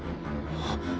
あっ。